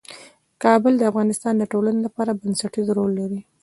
کابل د افغانستان د ټولنې لپاره بنسټيز رول لري.